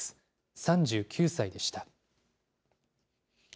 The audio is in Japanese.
３９歳でした。